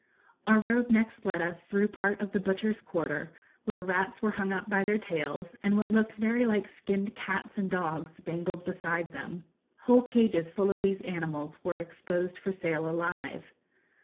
Our road next led us through part of the butchers' quarter, where rats were hung up by their tails, and what looked very like skinned cats and dogs dangled beside them. Whole cages full of these animals were exposed for sale alive.